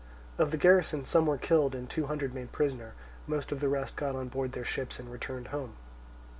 Of the garrison some were killed and two hundred made prisoners; most of the rest got on board their ships and returned home.